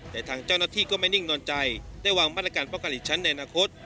แต่ทางเจ้าหน้าที่ก็ไม่นิ่งนอนใจได้วางมาตรการป้องกันอีกชั้นในอนาคต